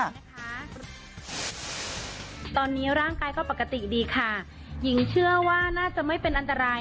คลิปที่คุณผู้ชมได้เห็น